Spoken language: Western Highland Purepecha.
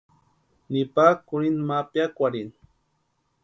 Nipa kurhinta ma piakwarhini.